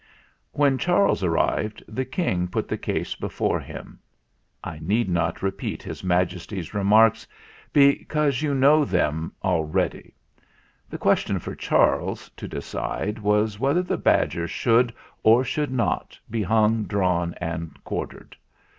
When Charles arrived, the King put the case before him. I need not repeat His Maj esty's remarks, because you know them already The question for Charles to decide was whether the badger should or should not be hung, drawn, and quartered.